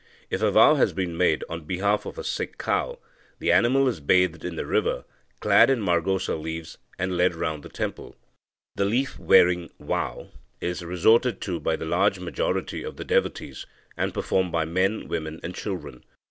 If a vow has been made on behalf of a sick cow, the animal is bathed in the river, clad in margosa leaves, and led round the temple. The leaf wearing vow is resorted to by the large majority of the devotees, and performed by men, women and children.